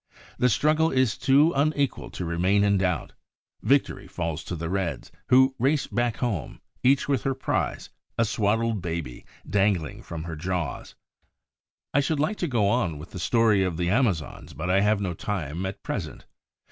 The struggle is too unequal to remain in doubt. Victory falls to the Reds, who race back home, each with her prize, a swaddled baby, dangling from her jaws. I should like to go on with the story of the Amazons, but I have no time at present.